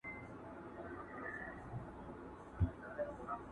پر سجدوی وي زیارتو کي د پیرانو.!